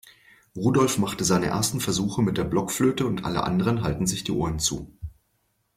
Rudolf macht seine ersten Versuche mit der Blockflöte und alle anderen halten sich die Ohren zu.